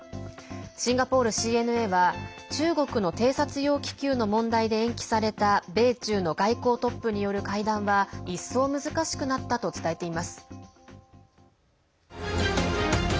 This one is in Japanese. シンガポールＣＮＡは中国の偵察用気球の問題で延期された米中の外交トップによる会談は一層難しくなったと伝えています。